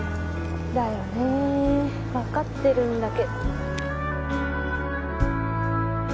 だよね分かってるんだけ